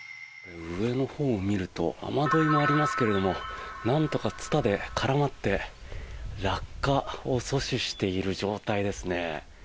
上のほうを見ると雨どいがありますけれどもなんとかツタで絡まって落下を阻止している状態ですね。